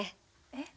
えっ？